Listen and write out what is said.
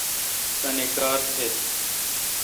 تانی کار تہ۔